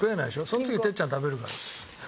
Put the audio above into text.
その次哲ちゃんが食べるから。